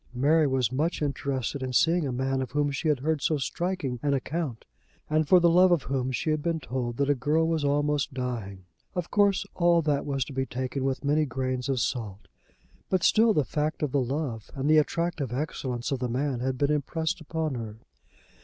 Mary was much interested in seeing a man of whom she had heard so striking an account, and for the love of whom she had been told that a girl was almost dying. Of course all that was to be taken with many grains of salt; but still the fact of the love and the attractive excellence of the man had been impressed upon her.